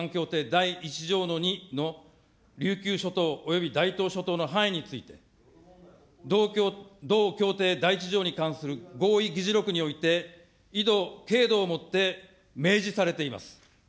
第１条の２の琉球諸島および大東諸島の範囲について、同協定第１条に関する合意議事録において、緯度経度をもって明示されています。